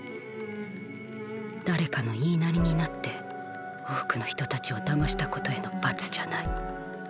誰かの言いなりになって多くの人たちを騙したことへの罰じゃない。